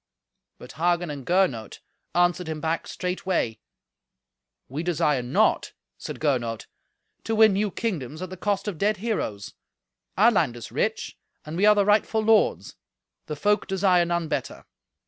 But Hagen and Gernot answered him back straightway. "We desire not," said Gernot, "to win new kingdoms at the cost of dead heroes. Our land is rich, and we are the rightful lords. The folk desire none better."